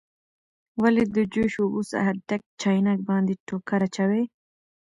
ولې د جوش اوبو څخه ډک چاینک باندې ټوکر اچوئ؟